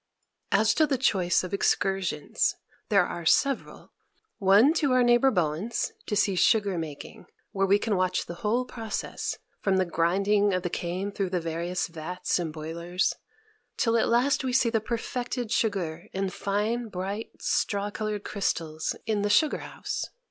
As to the choice of excursions, there are several, one to our neighbor Bowens to see sugar making, where we can watch the whole process, from the grinding of the cane through the various vats and boilers, till at last we see the perfected sugar in fine, bright, straw colored crystals in the sugar house.